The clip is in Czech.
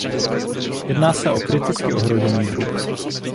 Jedná se o kriticky ohrožený druh.